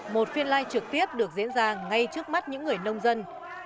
một phiên live trực tiếp được diễn ra ngay trước mắt những người nông dân